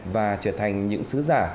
và trở thành những sứ giả